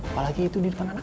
apalagi itu di depan anak